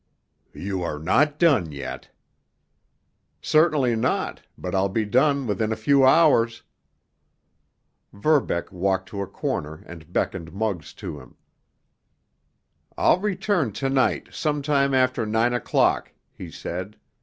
"You are not done yet." "Certainly not—but I'll be done within a few hours." Verbeck walked to a corner and beckoned Muggs to him. "I'll return to night, some time after nine o'clock," he said.